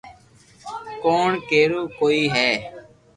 ڪوڻ ڪيرو ڪوئي ھي